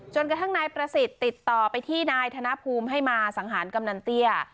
กระทั่งนายประสิทธิ์ติดต่อไปที่นายธนภูมิให้มาสังหารกำนันเตี้ย